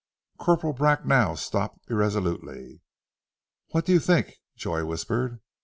Corporal Bracknell stopped irresolutely. "What do you think?" Joy whispered.